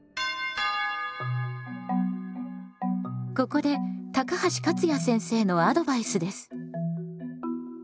ここで高橋勝也先生のアドバイスです。